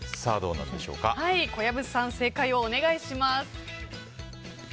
小籔さん、正解をお願いします。